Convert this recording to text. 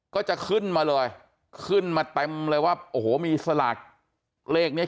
ก็จะขึ้นมาเลยขึ้นมาเต็มเลยว่าโอ้โหมีสลากเลขเนี้ย